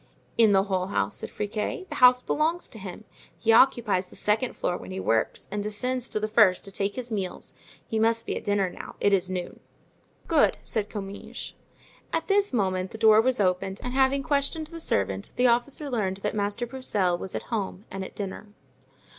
"In the whole house," said Friquet; "the house belongs to him; he occupies the second floor when he works and descends to the first to take his meals; he must be at dinner now; it is noon." "Good," said Comminges. At this moment the door was opened, and having questioned the servant the officer learned that Master Broussel was at home and at dinner.